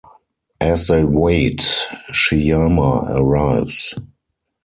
As they wait, Shyama arrives.